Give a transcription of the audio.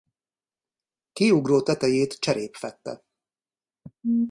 Kiugró tetejét cserép fedte.